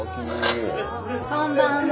こんばんは。